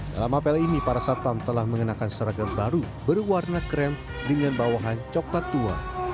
dalam apel ini para satpam telah mengenakan seragam baru berwarna krem dengan bawahan coklat tua